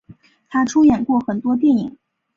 她出演过很多电影。